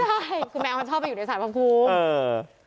ใช่คือแมวมันชอบไปอยู่ในสารพระภูมิ